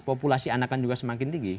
populasi anakan juga semakin tinggi